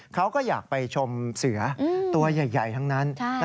เขาก็อยากไปชมเสือตัวใหญ่ทั้งนั้น